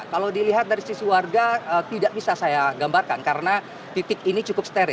kalau dilihat dari sisi warga tidak bisa saya gambarkan karena titik ini cukup steril